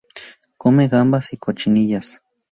Come gambas y cochinillas.